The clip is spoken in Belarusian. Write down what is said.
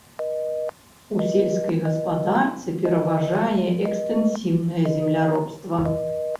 У сельскай гаспадарцы пераважае экстэнсіўнае земляробства.